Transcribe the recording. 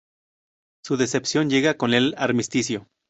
Su decepción llega con el armisticio.